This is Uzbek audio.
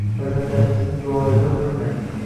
Farzandlaringizni duoibad qilmang